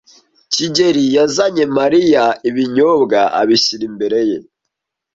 kigeli yazanye Mariya ibinyobwa, abishyira imbere ye.